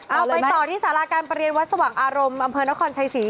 เอาไปต่อที่สาราการประเรียนวัดสว่างอารมณ์อำเภอนครชัยศรี